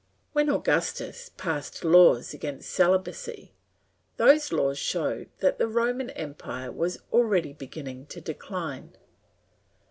When Augustus passed laws against celibacy, those laws showed that the Roman empire was already beginning to decline.